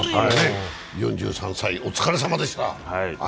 ４３歳、お疲れさまでした。